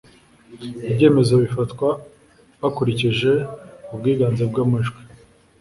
ibyemezo bifatwa bakurikije ubwiganze bw'amajwi